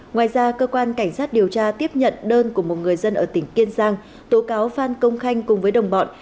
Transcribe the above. ngoài ra cơ quan cảnh sát điều tra tiếp nhận đơn của một người dân ở tỉnh kiên giang tố cáo phan công khanh cùng với đồng bọn